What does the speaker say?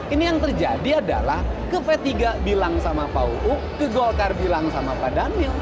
ini yang terjadi adalah ke p tiga bilang sama pak uu ke golkar bilang sama pak daniel